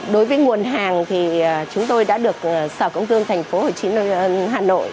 đối với nguồn hàng thì chúng tôi đã được sở công tương tp hcm hà nội